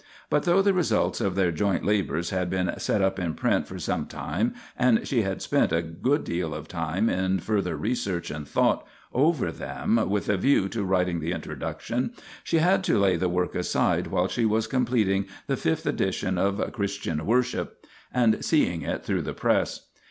But, though the results of their joint labours had been set up in print for some time and she had spent a good deal of time in further research and thought over them with a view to writing the Introduction, she had to lay the work aside while she was completing the fifth edition of Christian Worship and seeing it through the press.